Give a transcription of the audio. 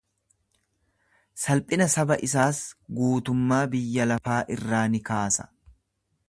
Salphina saba isaas guutummaa biyya lafaa irraa ni kaasa.